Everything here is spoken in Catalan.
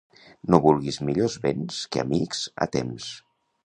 No vulguis millors béns que amics a temps.